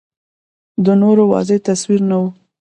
د نورو واضح تصویر نه و